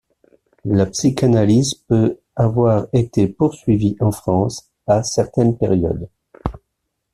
La psychanalyse peut avoir été poursuivie en France, à certaines périodes.